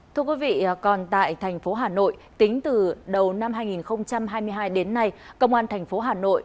thưa quý vị còn tại thành phố hà nội tính từ đầu năm hai nghìn hai mươi hai đến nay công an thành phố hà nội